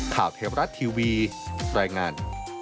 ข่าวเทพรัชทีวีแปรงาน